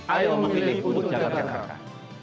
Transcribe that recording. ayo memilih untuk jakarta